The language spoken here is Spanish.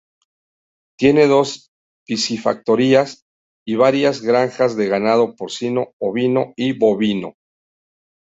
Tiene dos piscifactorías y varias granjas de ganado porcino, ovino y bovino.